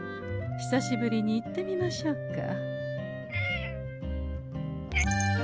久しぶりに行ってみましょうか。